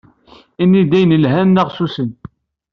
Ini-d ayen yelhan neɣ susem.